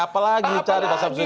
apalagi cari pak sab sudir